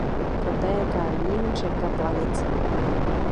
Protéká jím řeka Blanice.